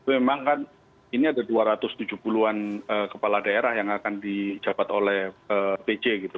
memang kan ini ada dua ratus tujuh puluh an kepala daerah yang akan dijabat oleh pj gitu